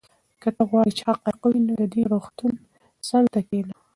که ته غواړې چې حقایق ووینې نو د دې روغتون څنګ ته کښېنه.